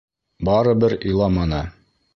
Барыбер иламаны.